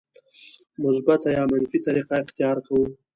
مثبته یا منفي طریقه اختیار کوو.